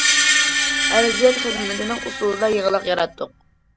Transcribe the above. ئەرزىيەت خىزمىتىنىڭ ئۇسۇلىدا يېڭىلىق ياراتتۇق.